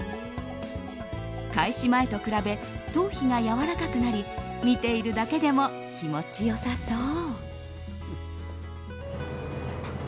開始前と比べ頭皮がやわらかくなり見ているだけでも気持ち良さそう。